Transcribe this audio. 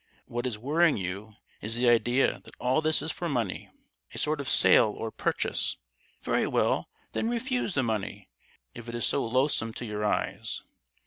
What is worrying you is the idea that all this is for money—a sort of sale or purchase. Very well, then refuse the money, if it is so loathsome to your eyes.